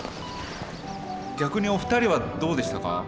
逆にお二人はどうでしたか？